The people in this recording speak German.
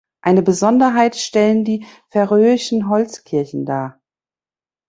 Eine Besonderheit stellen die färöischen Holzkirchen dar.